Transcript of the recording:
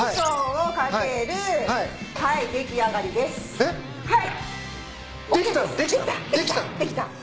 できたの？